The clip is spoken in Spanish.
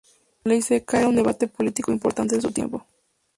La Ley seca era un debate político importante en su tiempo.